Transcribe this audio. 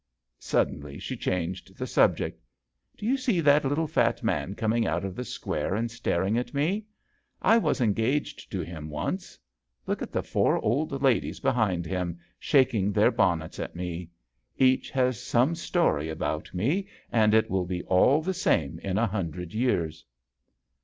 Suddenly she changed the subject. " Do you see that little fat man coming out of the Square and staring at me ? I was engaged to him once. Look at the four old ladies behind him, shaking their bonnets at me. Each has some story about me, and it will be all the same in a hundred years."